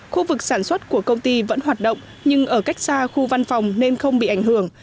khu vực sản xuất của công ty vẫn hoạt động nhưng ở cách xa khu văn phòng nên không bị ảnh hưởng